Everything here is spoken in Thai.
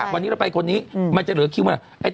วันนี้เราไปคนนี้มันจะเหลือคิวเมื่อไหร่